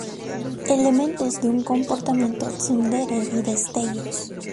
Elementos de un comportamiento tsundere y destellos.